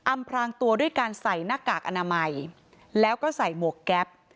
พรางตัวด้วยการใส่หน้ากากอนามัยแล้วก็ใส่หมวกแก๊ป